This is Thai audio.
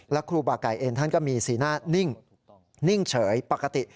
และครูบาไก่เองท่านก็มีสีหน้านิ่งเฉยปกติ